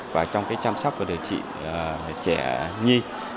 và trong cái chăm sóc và điều trị trẻ nhi